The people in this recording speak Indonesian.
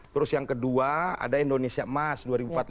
terus yang kedua ada indonesia emas dua ribu empat puluh lima